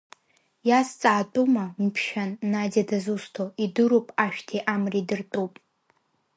Иазҵаатәума, мшәан, надиа дазусҭоу, идыруп ашәҭи Амреи дыртәуп.